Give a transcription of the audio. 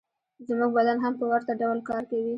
زموږ بدن هم په ورته ډول کار کوي